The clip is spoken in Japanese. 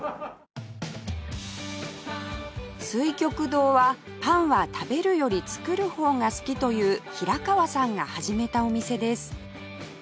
翠玉堂はパンは食べるより作る方が好きという平川さんが始めたお店です